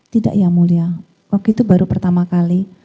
tidak ya mulia waktu itu baru pertama kali